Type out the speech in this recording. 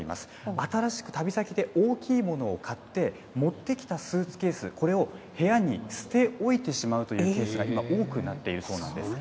新しく旅先で大きいものを買って、持ってきたスーツケース、これを部屋に捨て置いてしまうというケースが今多くなっているそうなんです。